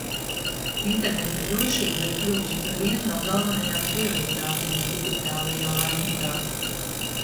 Interneta drošība ir kļuvusi par vienu no galvenajām prioritātēm digitālajā laikmetā.